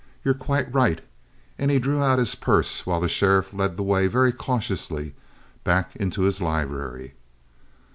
You're quite right," and he drew out his purse while the sheriff led the way very cautiously back into his library.